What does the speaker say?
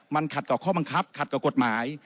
มันขัดกับข้อบังคับขัดกับกฎหมาย